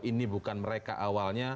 ini bukan mereka